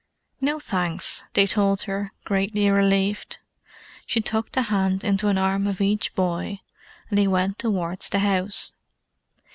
"No, thanks," they told her, greatly relieved. She tucked a hand into an arm of each boy, and they went towards the house.